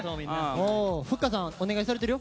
ふっかさんお願いされてるよ。